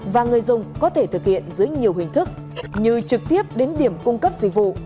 và người dùng có thể thực hiện dưới nhiều hình thức như trực tiếp đến điểm cung cấp dịch vụ